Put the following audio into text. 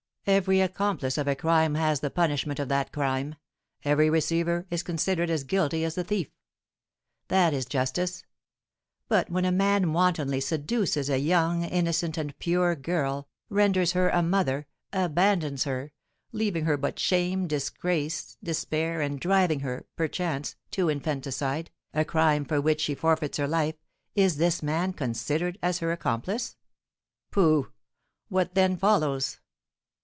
Every accomplice of a crime has the punishment of that crime; every receiver is considered as guilty as the thief. That is justice. But when a man wantonly seduces a young, innocent, and pure girl, renders her a mother, abandons her, leaving her but shame, disgrace, despair, and driving her, perchance, to infanticide, a crime for which she forfeits her life, is this man considered as her accomplice? Pooh! What, then, follows?